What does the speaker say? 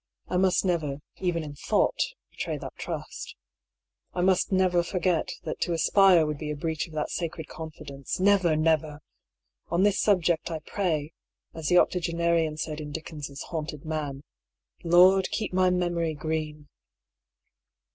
I must never, even in thought, betray that trust. I must never forget that to aspire would be a breach of that sacred confidence — never, never ! On this subject I pray> as the octogenarian said in Dickens' Haunted Man^ " Lord, keep my memory green